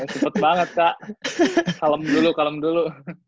cepet banget kak salam dulu kalem dulu